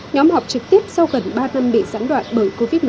nhóm họp trực tiếp sau gần ba năm bị giãn đoạn bởi covid một mươi chín